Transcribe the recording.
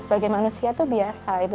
sebagai manusia tuh biasa itu